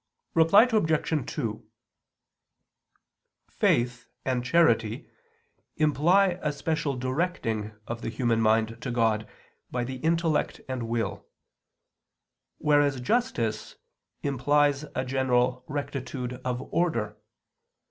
Reply Obj. 2: Faith and charity imply a special directing of the human mind to God by the intellect and will; whereas justice implies a general rectitude of order.